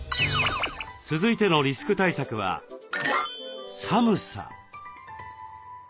続いてのリスク対策は「寒さ」。